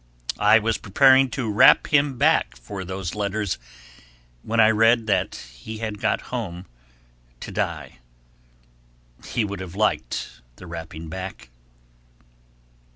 I was preparing to rap him back for these letters when I read that he had got home to die; he would have liked the rapping back.